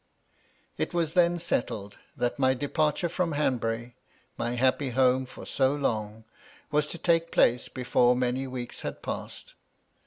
It was then settled that my departure from Hanbury, my happy home for so long, was to take place before many weeks had passed.